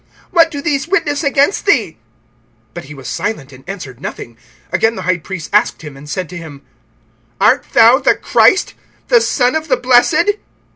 What do these witness against thee? (61)But he was silent, and answered nothing. Again the high priest asked him, and said to him: Art thou the Christ, the Son of the Blessed?